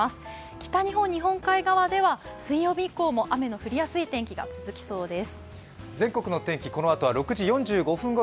北日本、日本海側では水曜日以降も雨の降りやすい天気が続きそうです。